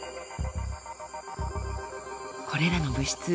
これらの物質